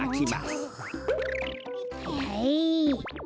はいはい。